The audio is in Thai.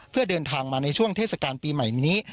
เพื่อเดินทางมาในช่วงเทศกาลปีใหม่นี้